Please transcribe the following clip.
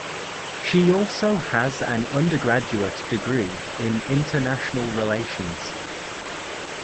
She also has an undergraduate degree in international relations.